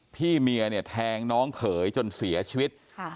พี่เมียเนี่ยแทงน้องเขยจนเสียชีวิต